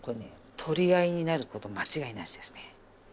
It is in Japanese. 取り合いになる事間違いなしですね。